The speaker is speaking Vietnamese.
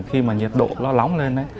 khi mà nhiệt độ nó lóng lên